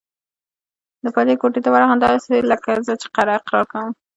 د پادري کوټې ته ورغلم، داسې لکه زه چې اقرار کوم.